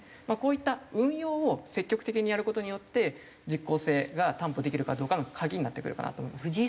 まあこういった運用を積極的にやる事によって実効性が担保できるかどうかの鍵になってくるかなと思います。